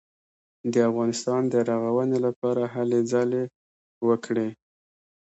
د افغانستان د رغونې لپاره یې هلې ځلې وکړې.